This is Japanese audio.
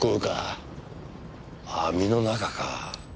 網の中か。